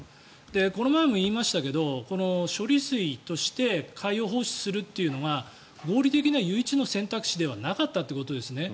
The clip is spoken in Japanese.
この前も言いましたけど処理水として海洋放出するのが合理的な唯一の選択肢ではなかったということですね。